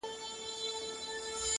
صبر د سترو ارمانونو ملګری دی؛